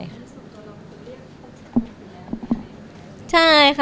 สมมติว่าคุณเรียกเขาเป็นชาย่าของเพื่อน